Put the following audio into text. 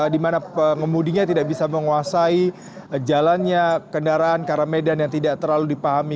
di mana pengemudinya tidak bisa menguasai jalannya kendaraan karena medan yang tidak terlalu dipahami